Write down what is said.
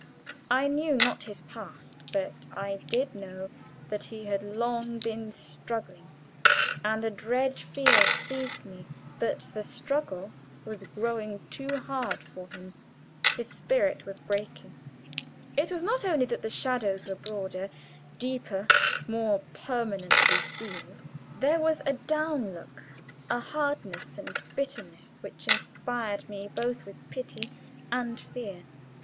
I knew not his past; but I did know that he had long been struggling, and a dread fear seized me that the struggle was growing too hard for him his spirit was breaking. It was not only that the shadows were broader, deeper, more permanently sealed there was a down look a hardness and bitterness which inspired me both with pity and fear.